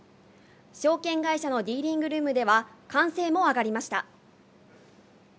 証券会社のディーリングルームでは歓声も上がりました。